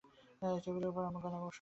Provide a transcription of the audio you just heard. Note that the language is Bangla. টেবিলের উপর আমার গয়নার বাক্স ছিল।